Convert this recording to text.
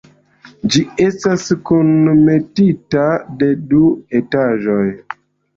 Ĝi estas kunmetita de du etaĝoj.